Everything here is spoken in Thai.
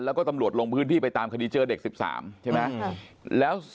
แล้วก็ตำรวจลงพื้นที่ไปตามคดีเจอเด็ก๑๓ใช่ไหม